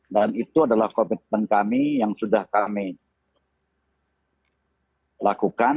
dan itu adalah komitmen kami yang sudah kami lakukan